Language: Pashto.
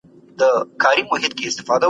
موږ بايد له ګاونډيانو سره نيکي وکړو.